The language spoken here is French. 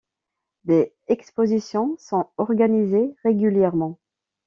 Des expositions sont organisées régulièrement.